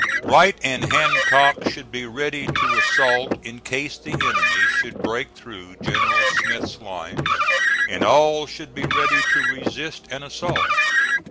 Wright and Hancock should be ready to assault in case the enemy should break through General Smith's lines, and all should be ready to resist an assault.